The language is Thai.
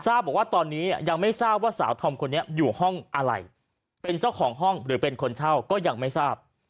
บอกว่าตอนนี้ยังไม่ทราบว่าสาวธอมคนนี้อยู่ห้องอะไรเป็นเจ้าของห้องหรือเป็นคนเช่าก็ยังไม่ทราบ